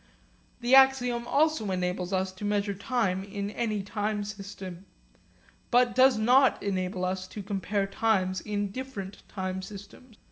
The axiom also enables us to measure time in any time system; but does not enable us to compare times in different time systems.